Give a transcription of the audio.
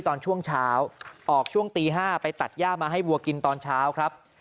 ตอนช่วงเช้าออกช่วงตี๕ไปตัดย่ามาให้วัวกินตอนเช้าครับ